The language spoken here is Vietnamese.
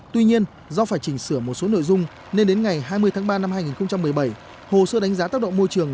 tuy nhiên do phải chỉnh sửa một số nội dung nên đến ngày hai mươi tháng ba năm hai nghìn một mươi bảy hồ sơ đánh giá tác động môi trường